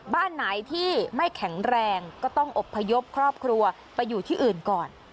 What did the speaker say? บ้านไหนที่ไม่แข็งแรงก็ต้องอบพยพครอบครัวไปอยู่ที่อื่นก่อน